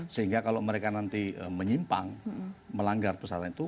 sehingga kalau mereka nanti menyimpang melanggar pusaran itu